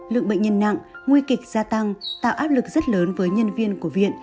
lượng bệnh nhân nặng nguy kịch gia tăng tạo áp lực rất lớn với nhân viên của viện